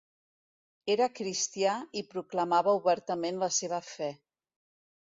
Era cristià i proclamava obertament la seva fe.